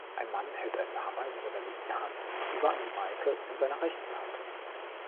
Ein Mann hält einen Hammer in seiner linken Hand über einem Meißel in seiner rechten Hand